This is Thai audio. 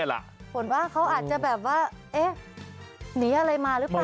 ผลว่าเขาอาจจะแบบว่าเอ๊ะหนีอะไรมาหรือเปล่า